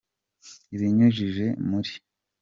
ibinyujije muri